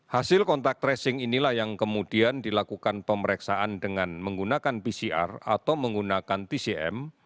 hasil kontak tracing inilah yang kemudian dilakukan pemeriksaan dengan menggunakan pcr atau menggunakan tcm